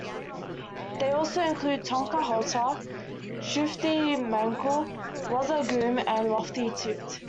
They also include "Tonker" Halter, "Shufti" Manickle, "Wazzer" Goom, and "Lofty" Tewt.